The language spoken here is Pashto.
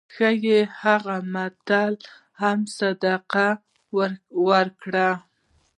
ښايي هغه متل هم صدق وکړي.